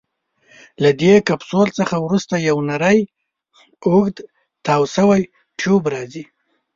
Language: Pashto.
له دې کپسول څخه وروسته یو نیری اوږد تاو شوی ټیوب راځي.